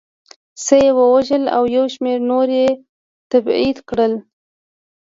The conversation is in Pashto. څه یې ووژل او یو شمېر نور یې تبعید کړل